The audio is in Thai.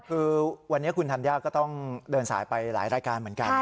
คือวันนี้คุณธัญญาก็ต้องเดินสายไปหลายรายการเหมือนกัน